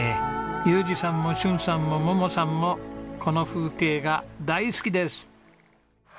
裕次さんも駿さんも桃さんもこの風景が大好きです。